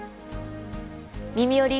「みみより！